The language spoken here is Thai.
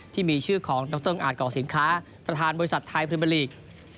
ที่มีชื่อของดรอาจกอกสินค้าประธานบริษัทไทยพรีเมอร์ลีก